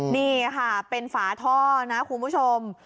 นี่ค่ะเป็นฝาท่อนะคุณผู้ชม